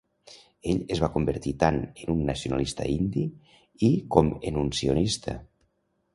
Ell es va convertir tant en un nacionalista indi i com en un sionista.